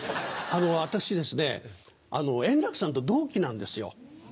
私ですね円楽さんと同期なんですよ。